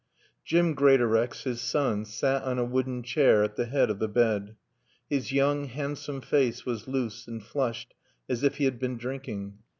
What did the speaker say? Jim Greatorex, his son, sat on a wooden chair at the head of the bed. His young, handsome face was loose and flushed as if he had been drinking.